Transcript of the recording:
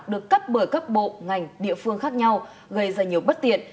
được cấp bởi các bộ ngành địa phương khác nhau gây ra nhiều bất tiện